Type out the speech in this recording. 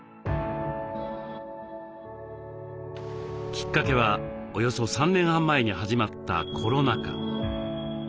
きっかけはおよそ３年半前に始まったコロナ禍。